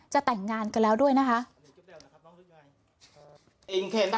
แต่งงานกันแล้วด้วยนะคะ